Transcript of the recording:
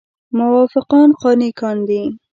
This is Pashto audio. موافقان قانع کاندي.